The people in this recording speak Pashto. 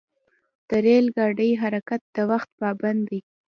د ریل ګاډي حرکت د وخت پابند دی.